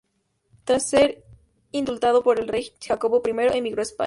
Tras ser indultado por el rey Jacobo I, emigró a España.